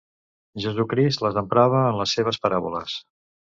Jesucrist les emprava en les seves paràboles.